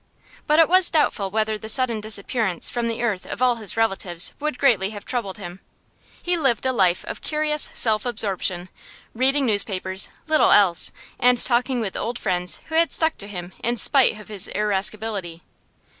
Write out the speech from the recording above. But it was doubtful whether the sudden disappearance from the earth of all his relatives would greatly have troubled him. He lived a life of curious self absorption, reading newspapers (little else), and talking with old friends who had stuck to him in spite of his irascibility.